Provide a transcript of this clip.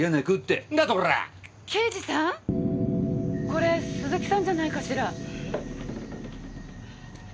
これ鈴木さんじゃないかしら。